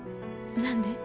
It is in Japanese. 「何で？」